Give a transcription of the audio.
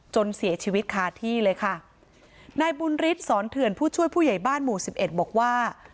จนเสียชีวิตคาที่เลยค่ะนายบุญฤทธิ์สอนเถื่อนผู้ช่วยผู้ใหญ่บ้านหมู่สิบเอ็ดบอกว่า